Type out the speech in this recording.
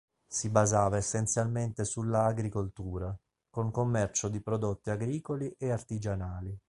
Si basava essenzialmente sulla agricoltura, con commercio di prodotti agricoli e artigianali.